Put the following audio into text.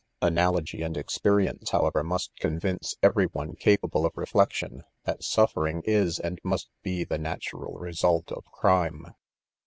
Analogy and experience, however, must convince every one capable of reflection, that suffering is and must be the natural result of crime.